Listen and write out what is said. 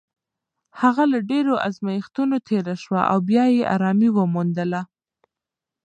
هغه له ډېرو ازمېښتونو تېره شوه او بیا یې ارامي وموندله.